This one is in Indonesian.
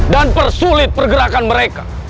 dan persulit pergerakan mereka